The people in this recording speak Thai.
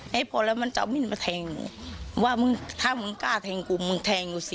ให้พอแล้วมันจะเอามิ้นมาแทงหนูว่ามึงถ้ามึงกล้าแทงกูมึงแทงกูสิ